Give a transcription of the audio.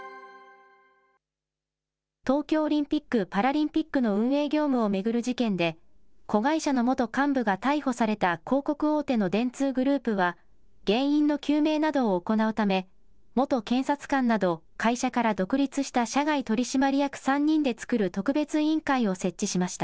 東京オリンピック・パラリンピックの運営業務を巡る事件で、子会社の元幹部が逮捕された広告大手の電通グループは、原因の究明などを行うため、元検察官など会社から独立した社外取締役３人で作る特別委員会を設置しました。